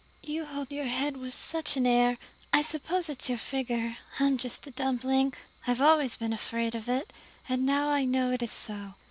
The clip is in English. "You hold your head with such an air. I suppose it's your figure. I am just a dumpling. I've always been afraid of it, and now I know it is so.